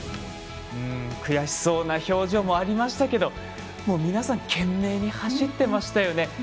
悔しそうな表情もありましたが皆さん懸命に走っていましたよね。